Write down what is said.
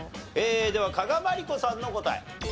では加賀まりこさんの答え。